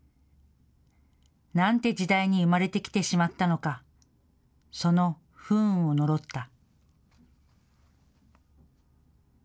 なんて時代に生まれてきてしまったのか、その不運を呪った。